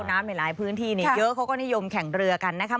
น้ำในหลายพื้นที่เนี้ยเยอะเขาก็นิยมแข่งเรือกันนะคะ